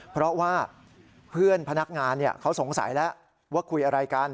เพราะว่าเพื่อนพนักงานเขาสงสัยแล้วว่าคุยอะไรกัน